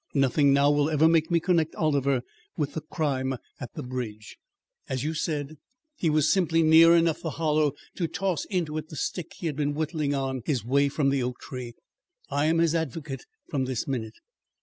Nothing now will ever make me connect Oliver with the crime at the bridge. As you said, he was simply near enough the Hollow to toss into it the stick he had been whittling on his way from the oak tree. I am his advocate from this minute."